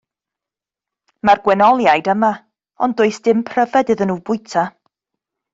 Mae'r gwenoliaid yma, ond does dim pryfed iddyn nhw fwyta.